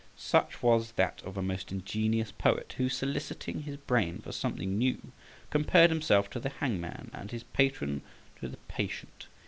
Such was that of a most ingenious poet, who, soliciting his brain for something new, compared himself to the hangman and his patron to the patient.